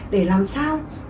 để làm sao